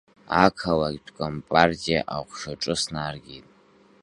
Ақалақьтә компартиа аҟәшаҿы снаргеит.